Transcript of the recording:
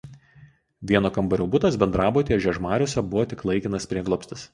Vieno kambario butas bendrabutyje Žiežmariuose buvo tik laikinas prieglobstis.